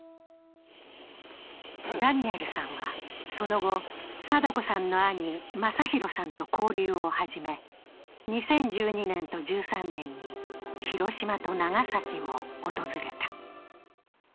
ダニエルさんはその後禎子さんの兄雅弘さんと交流を始め、２０１２年と１３年に広島と長崎を訪れた。